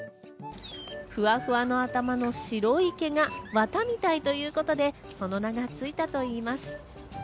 ふわふわの頭の白い毛がワタみたいということで、その名がついたといいます。